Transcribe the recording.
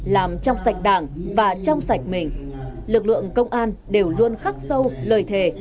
làm trong sạch đảng và trong sạch mình lực lượng công an đều luôn khắc sâu lời thề